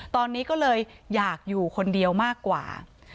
ตอนนี้ก็เลยอยากอยู่คนเดียวมากกว่า